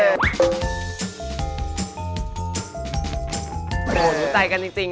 โหนุ่มใจกันจริง